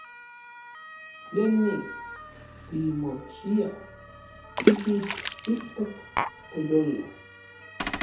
Tlenik timochiaj kikitskijtok n toyolo.